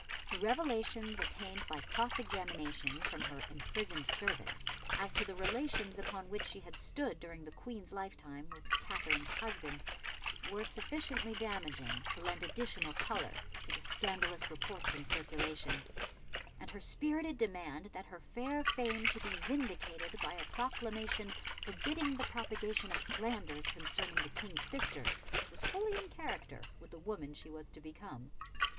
The revelations attained by cross examination from her imprisoned servants as to the relations upon which she had stood during the Queen's lifetime with Katherine's husband, were sufficiently damaging to lend additional colour to the scandalous reports in circulation, and her spirited demand that her fair fame should be vindicated by a proclamation forbidding the propagation of slanders concerning the King's sister was fully in character with the woman she was to become.